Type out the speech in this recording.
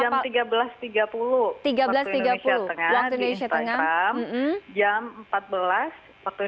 jam tiga belas tiga puluh wib di instagram